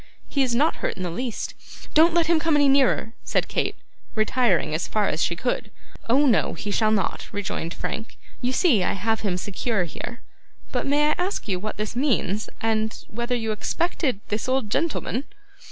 'He is not hurt in the least.' 'Don't let him come any nearer,' said Kate, retiring as far as she could. 'Oh, no, he shall not,' rejoined Frank. 'You see I have him secure here. But may I ask you what this means, and whether you expected this old gentleman?